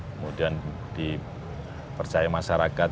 kemudian dipercaya masyarakat